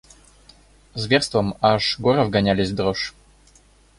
Зверством – аж горы вгонялись в дрожь.